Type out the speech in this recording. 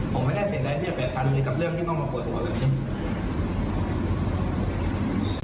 ผมไม่ได้เห็นอะไรที่จะแบบกันเลยกับเรื่องที่ต้องมาปล่อยผมกับเรื่องนี้